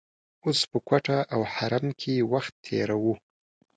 اوس په کوټه او حرم کې وخت تیروو.